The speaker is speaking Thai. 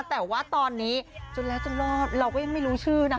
แต่ว่าตอนนี้จนแล้วจนรอดเราก็ยังไม่รู้ชื่อนะคะ